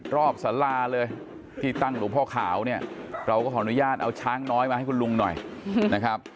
สาราเลยที่ตั้งหลวงพ่อขาวเนี่ยเราก็ขออนุญาตเอาช้างน้อยมาให้คุณลุงหน่อยนะครับ